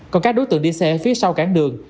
còn các đối tượng đi xe phía sau cảng đường